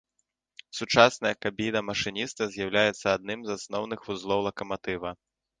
Сучасная кабіна машыніста з'яўляецца адным з асноўных вузлоў лакаматыва.